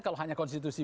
kalau hanya konstitusi